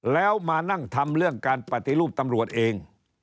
แล้วมานั่งทำเรื่องการปฏิรูปตำรวจเอง